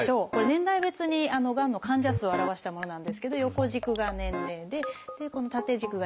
年代別にがんの患者数を表したものなんですけど横軸が年齢で縦軸が人数ですね。